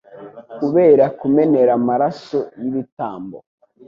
Kubera kumenera amaraso y’ibitambo,